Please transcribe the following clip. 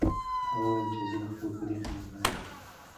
هغه وویل چې زه د خپل کلي خدمتګار یم.